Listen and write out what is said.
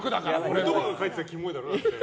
俺とかが書いてたらキモいだろ？